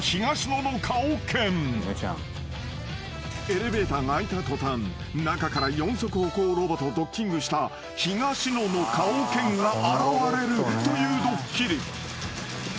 ［エレベーターが開いた途端中から四足歩行ロボとドッキングした東野の顔犬が現れるというドッキリ］